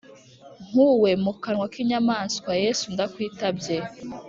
Nkuwe mu kanwa k’inyamaswa yesu ndakwitabye